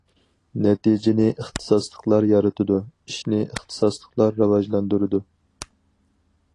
« نەتىجىنى ئىختىساسلىقلار يارىتىدۇ، ئىشنى ئىختىساسلىقلار راۋاجلاندۇرىدۇ».